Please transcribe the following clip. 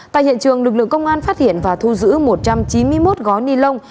tại hiện trường lực lượng công an phát hiện và thu giữ một trăm chín mươi một gói ni lông